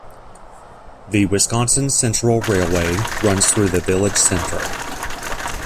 The Wisconsin Central Railway runs through the village center.